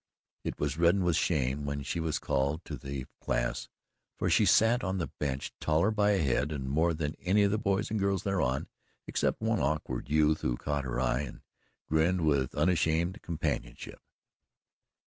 It reddened with shame when she was called to the class, for she sat on the bench, taller by a head and more than any of the boys and girls thereon, except one awkward youth who caught her eye and grinned with unashamed companionship.